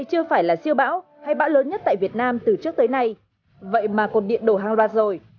chưa phải là siêu bão hay bão lớn nhất tại việt nam từ trước tới nay vậy mà còn điện đổ hàng loạt rồi